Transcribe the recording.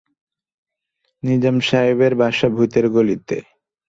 নিজাম সাহেবের বাসা ভূতের গলিতে।